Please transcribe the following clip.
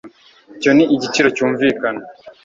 Icyo ni igiciro cyumvikana